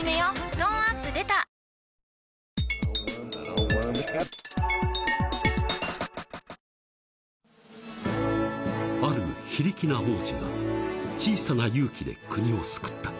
トーンアップ出た［ある非力な王子が小さな勇気で国を救った］